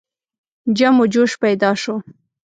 جم و جوش پیدا شو.